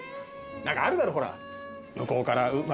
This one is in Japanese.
何かあるだろほら。